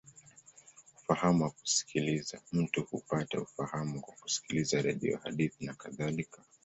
Ufahamu wa kusikiliza: mtu hupata ufahamu kwa kusikiliza redio, hadithi, nakadhalika.